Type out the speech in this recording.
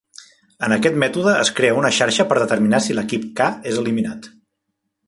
En aquest mètode es crea una xarxa per determinar si l'equip "k" és eliminat.